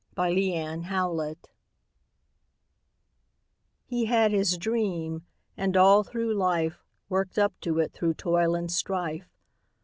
HE HAD HIS DREAM He had his dream, and all through life, Worked up to it through toil and strife.